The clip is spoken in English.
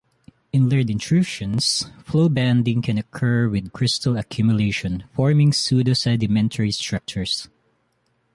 In layered intrusions, flow banding can occur with crystal accumulation, forming pseudo-sedimentary structures.